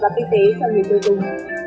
và kinh tế cho người tiêu dùng